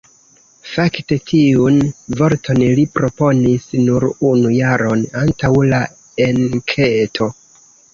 Fakte, tiun vorton li proponis nur unu jaron antaŭ la enketo.